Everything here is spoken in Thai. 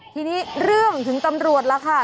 ทีนี้เรื่องถึงตำรวจแล้วค่ะ